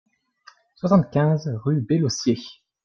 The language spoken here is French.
soixante-quinze rue Bellocier